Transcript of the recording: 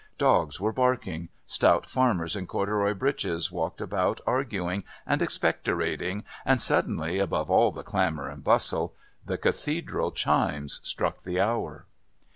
Dogs were barking, stout farmers in corduroy breeches walked about arguing and expectorating, and suddenly, above all the clamour and bustle, the Cathedral chimes struck the hour.